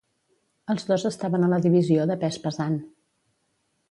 Els dos estaven a la divisió de pes pesant.